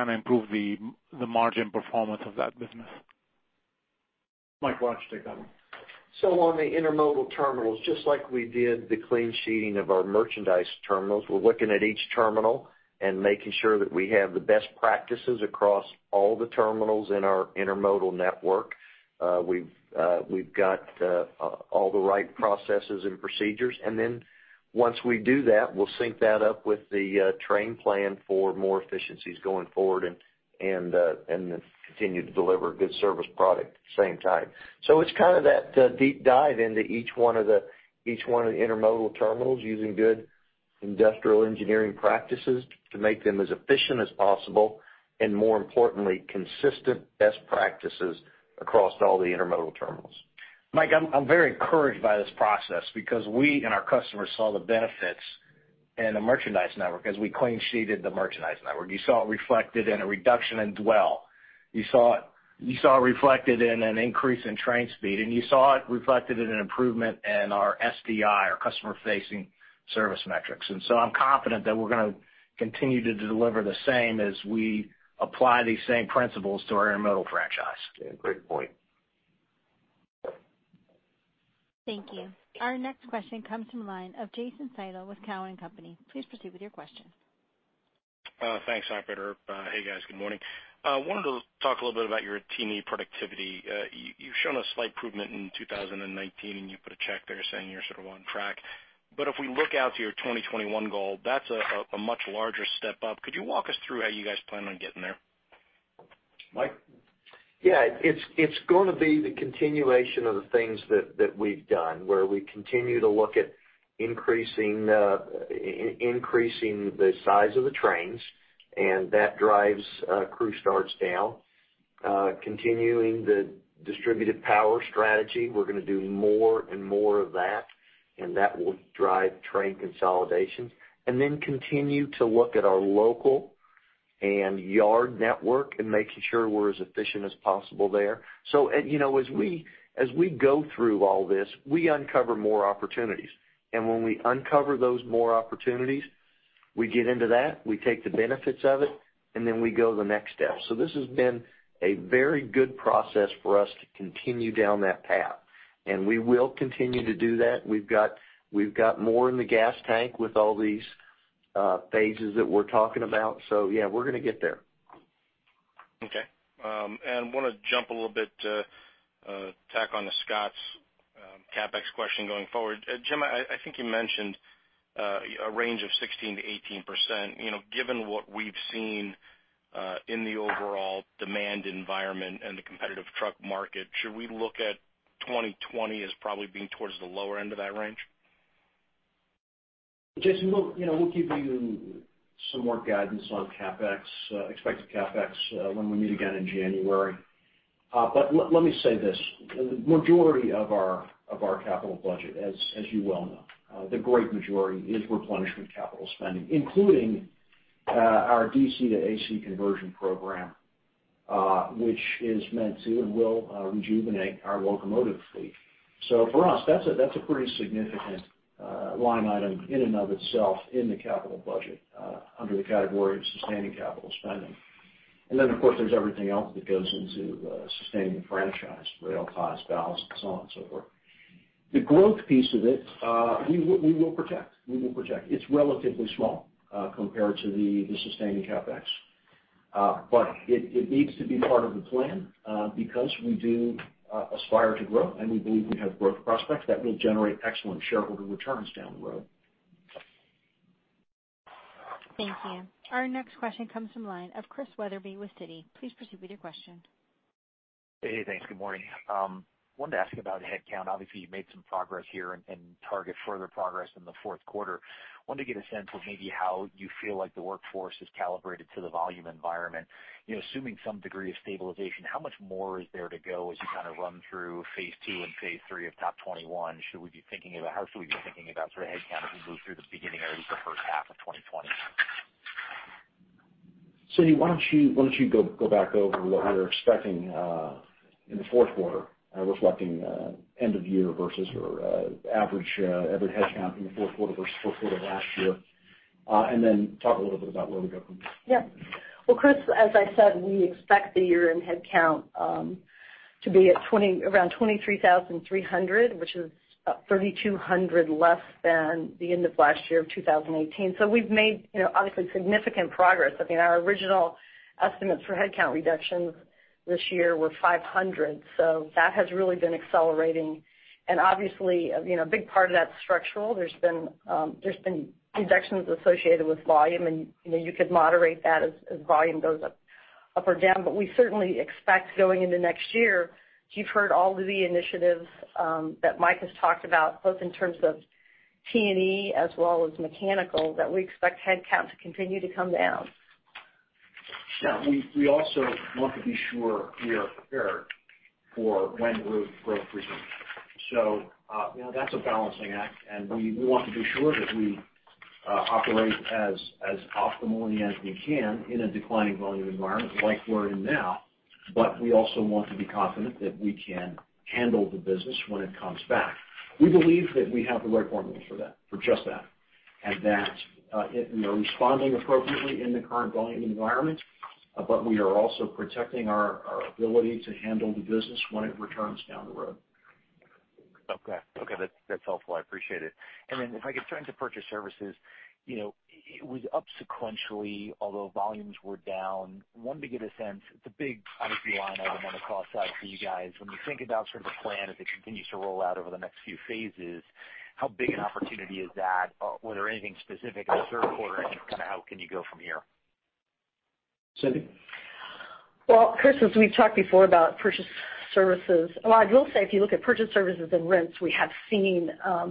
improve the margin performance of that business. Mike, why don't you take that one? On the intermodal terminals, just like we did the clean sheeting of our merchandise terminals, we're looking at each terminal and making sure that we have the best practices across all the terminals in our intermodal network. We've got all the right processes and procedures, and then once we do that, we'll sync that up with the train plan for more efficiencies going forward, and then continue to deliver a good service product at the same time. It's kind of that deep dive into each one of the intermodal terminals using good industrial engineering practices to make them as efficient as possible, and more importantly, consistent best practices across all the intermodal terminals. Mike, I'm very encouraged by this process because we and our customers saw the benefits in the merchandise network as we clean sheeted the merchandise network. You saw it reflected in a reduction in dwell. You saw it reflected in an increase in train speed, and you saw it reflected in an improvement in our SDI, our customer-facing service metrics. I'm confident that we're going to continue to deliver the same as we apply these same principles to our intermodal franchise. Yeah, great point. Thank you. Our next question comes from the line of Jason Seidl with Cowen and Company. Please proceed with your question. Thanks, operator. Hey, guys. Good morning. I wanted to talk a little bit about your team productivity. You've shown a slight improvement in 2019, and you put a check there saying you're sort of on track. If we look out to your 2021 goal, that's a much larger step up. Could you walk us through how you guys plan on getting there? Mike? Yeah. It's going to be the continuation of the things that we've done, where we continue to look at increasing the size of the trains, and that drives crew starts down. Continuing the distributed power strategy, we're going to do more and more of that, and that will drive train consolidation. Continue to look at our local and yard network and making sure we're as efficient as possible there. As we go through all this, we uncover more opportunities. When we uncover those more opportunities, we get into that, we take the benefits of it, and then we go the next step. This has been a very good process for us to continue down that path, and we will continue to do that. We've got more in the gas tank with all these phases that we're talking about. Yeah, we're going to get there. Okay. Want to jump a little bit, tack on to Scott's CapEx question going forward. Jim, I think you mentioned a range of 16%-18%. Given what we've seen in the overall demand environment and the competitive truck market, should we look at 2020 as probably being towards the lower end of that range? Jason, we'll give you some more guidance on expected CapEx when we meet again in January. Let me say this, majority of our capital budget, as you well know, the great majority is replenishment capital spending, including our DC-to-AC conversion program, which is meant to and will rejuvenate our locomotive fleet. For us, that's a pretty significant line item in and of itself in the capital budget under the category of sustaining capital spending. Of course, there's everything else that goes into sustaining the franchise, rail cars, ballast, and so on and so forth. The growth piece of it, we will protect. It's relatively small compared to the sustaining CapEx. It needs to be part of the plan because we do aspire to grow, and we believe we have growth prospects that will generate excellent shareholder returns down the road. Thank you. Our next question comes from line of Chris Wetherbee with Citi. Please proceed with your question. Hey, thanks. Good morning. I wanted to ask about headcount. Obviously, you made some progress here and target further progress in the fourth quarter. I wanted to get a sense of maybe how you feel like the workforce is calibrated to the volume environment. Assuming some degree of stabilization, how much more is there to go as you kind of run through phase 2 and phase 3 of TOP 21? How should we be thinking about sort of headcount as we move through the beginning or at least the first half of 2020? Cindy, why don't you go back over what we're expecting in the fourth quarter, reflecting end of year versus your average headcount in the fourth quarter versus fourth quarter of last year, then talk a little bit about where we go from there. Well, Chris, as I said, we expect the year-end headcount to be around 23,300, which is 3,200 less than the end of last year of 2018. We've made obviously significant progress. I mean, our original estimates for headcount reductions this year were 500. That has really been accelerating. Obviously, a big part of that's structural. There's been reductions associated with volume, and you could moderate that as volume goes up or down. We certainly expect going into next year, you've heard all of the initiatives that Mike has talked about, both in terms of T&E as well as mechanical, that we expect headcount to continue to come down. We also want to be sure we are prepared for when growth resumes. That's a balancing act, and we want to be sure that we operate as optimally as we can in a declining volume environment like we're in now. We also want to be confident that we can handle the business when it comes back. We believe that we have the right formula for just that, and that responding appropriately in the current volume environment, but we are also protecting our ability to handle the business when it returns down the road. Okay. That's helpful. I appreciate it. If I could turn to purchase services, it was up sequentially, although volumes were down. I wanted to get a sense, it's a big, obviously, line item on the cost side for you guys. When you think about sort of the plan as it continues to roll out over the next few phases, how big an opportunity is that? Was there anything specific in the third quarter and kind of how can you go from here? Cindy? Well, Chris, as we've talked before about purchase services, Well, I will say, if you look at purchase services and rents, we have seen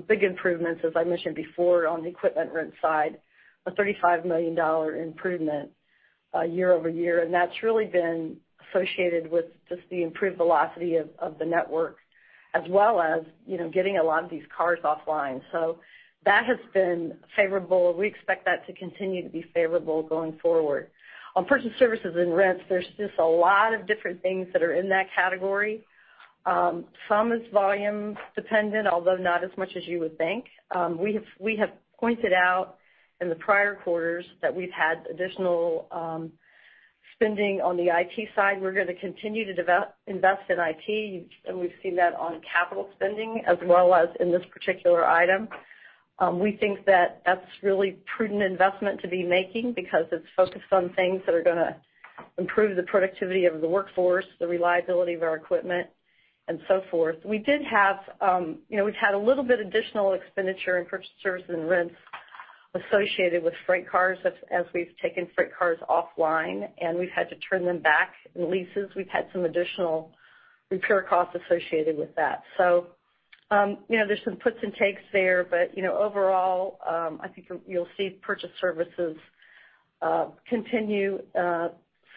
big improvements, as I mentioned before, on the equipment rent side, a $35 million improvement year-over-year, and that's really been associated with just the improved velocity of the network, as well as getting a lot of these cars offline. That has been favorable. We expect that to continue to be favorable going forward. On purchase services and rents, there's just a lot of different things that are in that category. Some is volume dependent, although not as much as you would think. We have pointed out in the prior quarters that we've had additional Spending on the IT side, we're going to continue to invest in IT. We've seen that on capital spending as well as in this particular item. We think that that's really prudent investment to be making because it's focused on things that are going to improve the productivity of the workforce, the reliability of our equipment, and so forth. We've had a little bit additional expenditure in purchased service and rents associated with freight cars as we've taken freight cars offline. We've had to turn them back in leases. We've had some additional repair costs associated with that. There's some puts and takes there. Overall, I think you'll see purchase services continue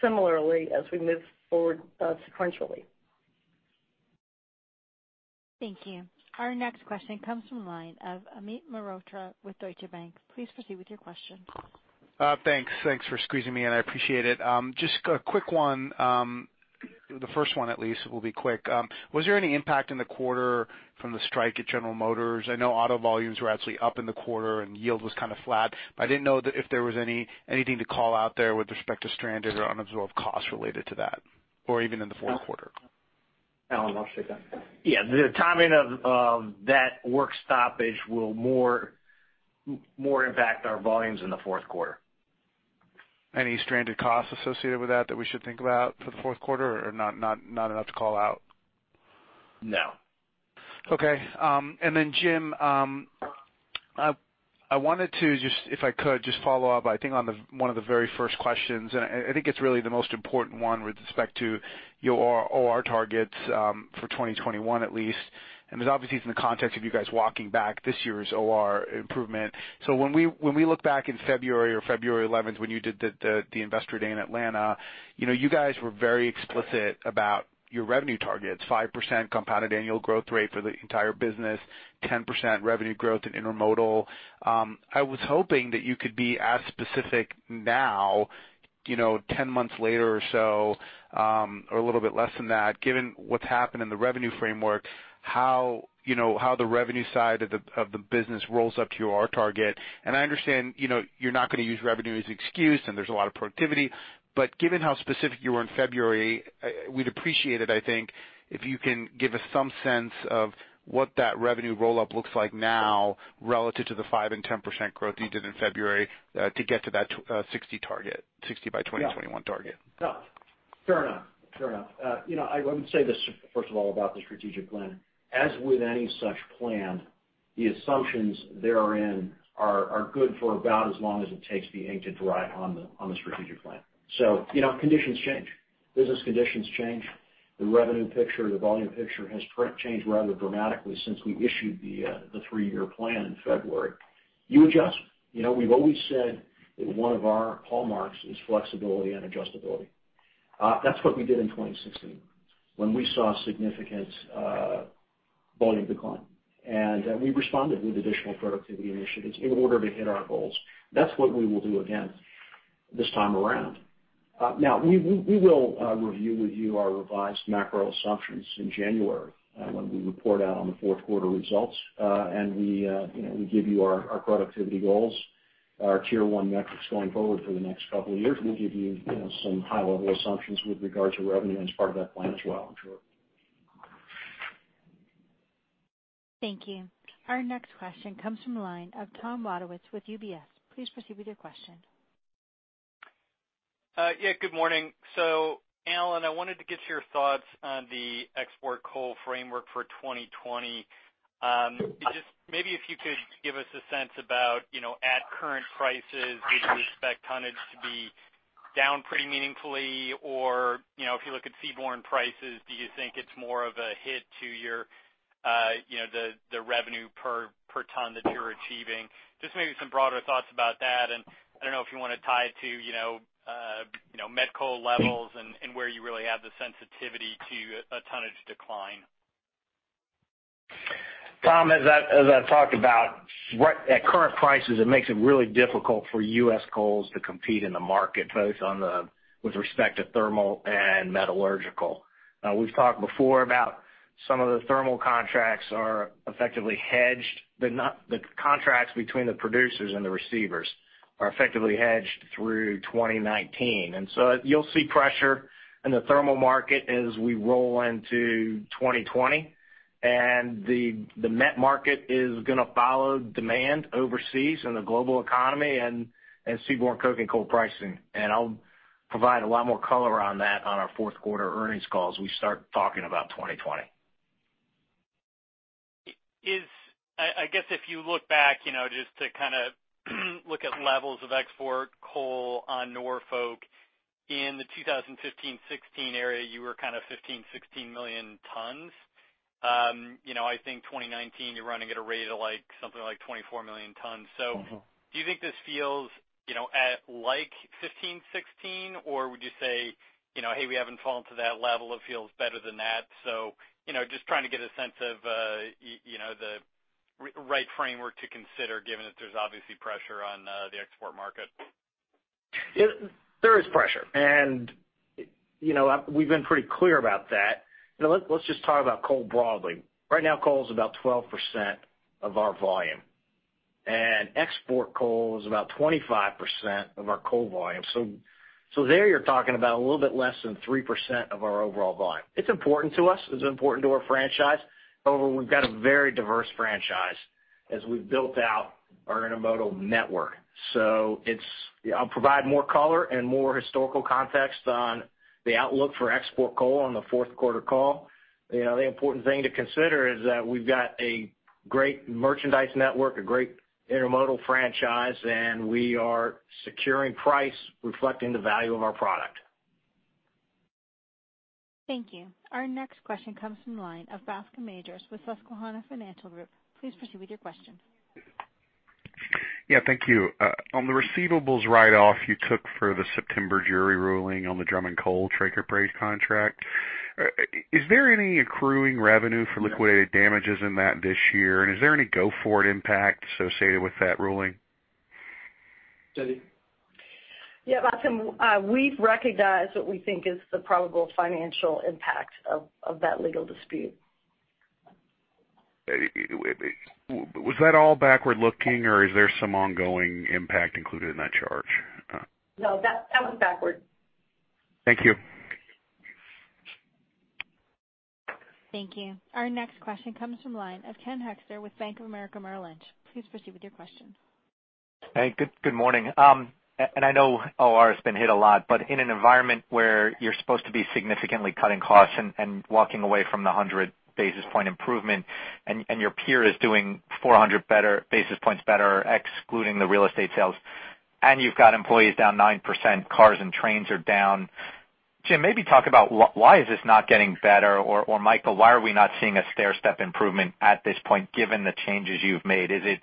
similarly as we move forward sequentially. Thank you. Our next question comes from the line of Amit Mehrotra with Deutsche Bank. Please proceed with your question. Thanks for squeezing me in, I appreciate it. Just a quick one. The first one at least will be quick. Was there any impact in the quarter from the strike at General Motors? I know auto volumes were actually up in the quarter and yield was kind of flat. I didn't know if there was anything to call out there with respect to stranded or unabsorbed costs related to that, or even in the fourth quarter. Alan, why don't you take that? Yeah. The timing of that work stoppage will more impact our volumes in the fourth quarter. Any stranded costs associated with that we should think about for the fourth quarter, or not enough to call out? No. Okay. Jim, I wanted to, if I could, just follow up, I think on one of the very first questions, and I think it's really the most important one with respect to your OR targets for 2021 at least, and it's obviously in the context of you guys walking back this year's OR improvement. When we look back in February or February 11th when you did the Investor Day in Atlanta, you guys were very explicit about your revenue targets, 5% compounded annual growth rate for the entire business, 10% revenue growth in intermodal. I was hoping that you could be as specific now, 10 months later or so, or a little bit less than that, given what's happened in the revenue framework, how the revenue side of the business rolls up to your target. I understand you're not going to use revenue as an excuse, and there's a lot of productivity, but given how specific you were in February, we'd appreciate it, I think, if you can give us some sense of what that revenue roll-up looks like now relative to the 5% and 10% growth you did in February to get to that 60% by 2021 target. No. Fair enough. I would say this, first of all, about the strategic plan. As with any such plan, the assumptions therein are good for about as long as it takes the ink to dry on the strategic plan. Conditions change. Business conditions change. The revenue picture, the volume picture has changed rather dramatically since we issued the three-year plan in February. You adjust. We've always said that one of our hallmarks is flexibility and adjustability. That's what we did in 2016 when we saw significant volume decline, and we responded with additional productivity initiatives in order to hit our goals. That's what we will do again this time around. We will review with you our revised macro assumptions in January when we report out on the fourth quarter results. We give you our productivity goals, our Tier 1 metrics going forward for the next couple of years. We'll give you some high-level assumptions with regard to revenue as part of that plan as well, I'm sure. Thank you. Our next question comes from the line of Tom Wadewitz with UBS. Please proceed with your question. Yeah, good morning. Alan, I wanted to get your thoughts on the export coal framework for 2020. Maybe if you could give us a sense about at current prices, would you expect tonnage to be down pretty meaningfully? If you look at seaborne prices, do you think it's more of a hit to the revenue per ton that you're achieving? Just maybe some broader thoughts about that, and I don't know if you want to tie it to met coal levels and where you really have the sensitivity to a tonnage decline. Tom, as I talked about, at current prices, it makes it really difficult for U.S. coals to compete in the market, both with respect to thermal and metallurgical. We've talked before about some of the thermal contracts are effectively hedged. The contracts between the producers and the receivers are effectively hedged through 2019. You'll see pressure in the thermal market as we roll into 2020. The met market is going to follow demand overseas in the global economy and seaborne coking coal pricing. I'll provide a lot more color on that on our fourth quarter earnings call as we start talking about 2020. I guess if you look back, just to kind of look at levels of export coal on Norfolk in the 2015-2016 area, you were kind of 15, 16 million tons. I think 2019, you're running at a rate of something like 24 million tons. Do you think this feels at like 15, 16? Would you say, "Hey, we haven't fallen to that level. It feels better than that"? Just trying to get a sense of the right framework to consider given that there's obviously pressure on the export market. There is pressure, and we've been pretty clear about that. Let's just talk about coal broadly. Right now, coal is about 12% of our volume. Export coal is about 25% of our coal volume. There, you're talking about a little bit less than 3% of our overall volume. It's important to us. It's important to our franchise, however, we've got a very diverse franchise as we've built out our intermodal network. I'll provide more color and more historical context on the outlook for export coal on the fourth quarter call. The important thing to consider is that we've got a great merchandise network, a great intermodal franchise, and we are securing price reflecting the value of our product. Thank you. Our next question comes from the line of Bascome Majors with Susquehanna Financial Group. Please proceed with your question. Yeah, thank you. On the receivables write-off you took for the September jury ruling on the Drummond Company trackage rate contract, is there any accruing revenue for liquidated damages in that this year? Is there any go-forward impact associated with that ruling? Cindy? Bascome, we've recognized what we think is the probable financial impact of that legal dispute. Was that all backward-looking, or is there some ongoing impact included in that charge? No, that was backward. Thank you. Thank you. Our next question comes from line of Ken Hoexter with Bank of America Merrill Lynch. Please proceed with your question. Hey, good morning. I know OR has been hit a lot, but in an environment where you're supposed to be significantly cutting costs and walking away from the 100 basis point improvement, and your peer is doing 400 basis points better, excluding the real estate sales, and you've got employees down 9%, cars and trains are down. Jim, maybe talk about why is this not getting better? Mike, why are we not seeing a stairstep improvement at this point, given the changes you've made? Is it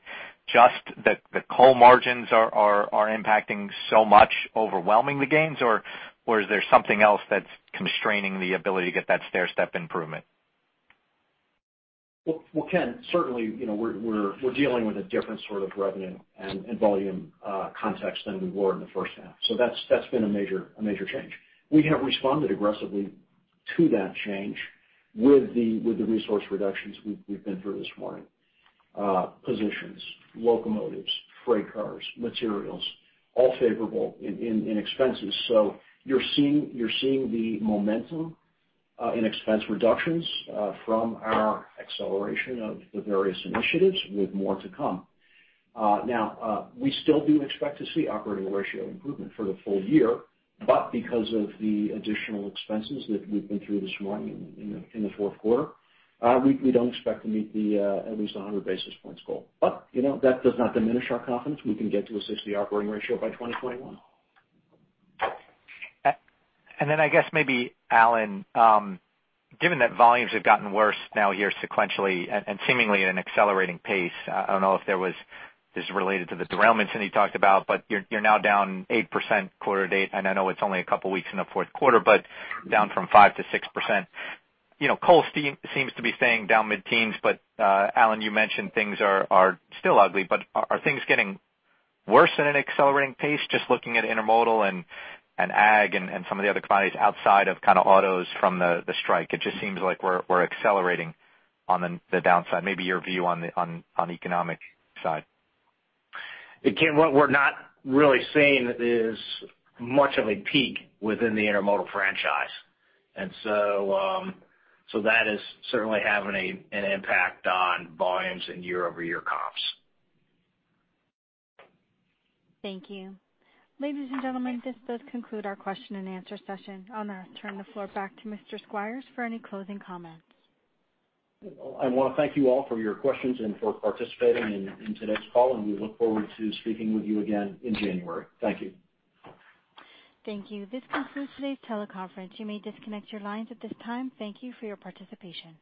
just that the coal margins are impacting so much, overwhelming the gains, or is there something else that's constraining the ability to get that stairstep improvement? Well, Ken, certainly, we're dealing with a different sort of revenue and volume context than we were in the first half. That's been a major change. We have responded aggressively to that change with the resource reductions we've been through this morning. Positions, locomotives, freight cars, materials, all favorable in expenses. You're seeing the momentum in expense reductions from our acceleration of the various initiatives with more to come. Now, we still do expect to see operating ratio improvement for the full year, because of the additional expenses that we've been through this morning in the fourth quarter, we don't expect to meet at least 100 basis points goal. That does not diminish our confidence we can get to a 60 operating ratio by 2021. Then I guess maybe, Alan, given that volumes have gotten worse now here sequentially and seemingly at an accelerating pace, I don't know if this is related to the derailments that you talked about, but you're now down 8% quarter to date, and I know it's only a couple of weeks in the fourth quarter, but down from 5%-6%. Coal seems to be staying down mid-teens. Alan, you mentioned things are still ugly, but are things getting worse at an accelerating pace? Just looking at intermodal and AG and some of the other commodities outside of autos from the strike. It just seems like we're accelerating on the downside. Maybe your view on the economic side. Hey, Ken, what we're not really seeing is much of a peak within the intermodal franchise, and so that is certainly having an impact on volumes and year-over-year comps. Thank you. Ladies and gentlemen, this does conclude our question and answer session. I'll now turn the floor back to Mr. Squires for any closing comments. I want to thank you all for your questions and for participating in today's call. We look forward to speaking with you again in January. Thank you. Thank you. This concludes today's teleconference. You may disconnect your lines at this time. Thank you for your participation.